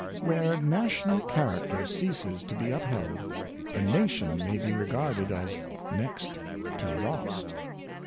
Where national character ceases to be upheld, a na tion may be regarded as next to lost.